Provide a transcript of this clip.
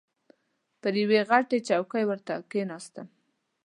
پر یوې غټه چوکۍ ورته کښېناستم.